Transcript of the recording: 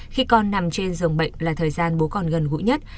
khi con nằm trên giường bệnh là thời gian bố con gần gũi nhất